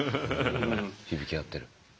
響き合ってる。